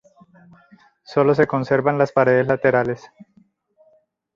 Sólo se conservan las paredes laterales.